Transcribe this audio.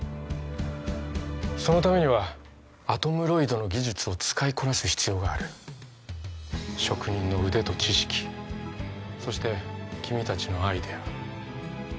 そのためにはアトムロイドの技術を使いこなす必要がある職人の腕と知識そして君達のアイデア